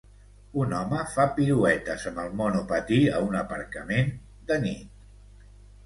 Un home fa piruetes amb el monopatí a un aparcament de nit.